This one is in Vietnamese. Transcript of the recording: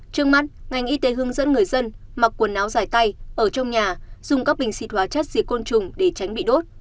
trước mắt ngành y tế hướng dẫn người dân mặc quần áo dài tay ở trong nhà dùng các bình xịt hóa chất diệt côn trùng để tránh bị đốt